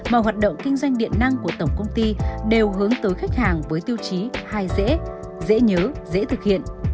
mà hoạt động kinh doanh điện năng của tổng công ty đều hướng tới khách hàng với tiêu chí hai dễ dễ nhớ dễ thực hiện